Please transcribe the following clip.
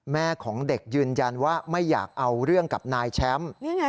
แม่ของเด็กยืนยันว่าไม่อยากเอาเรื่องกับนายแชมป์